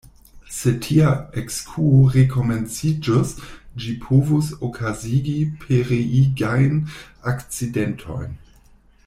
Se tia ekskuo rekomenciĝus, ĝi povus okazigi pereigajn akcidentojn.